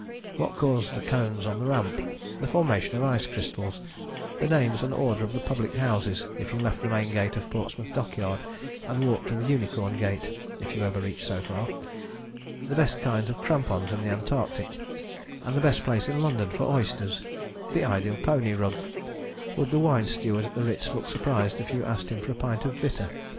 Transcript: What caused the cones on the Ramp; the formation of ice crystals; the names and order of the public houses if you left the Main Gate of Portsmouth Dockyard and walked to the Unicorn Gate (if you ever reached so far); the best kinds of crampons in the Antarctic, and the best place in London for oysters; the ideal pony rug; would the wine steward at the Ritz look surprised if you asked him for a pint of bitter?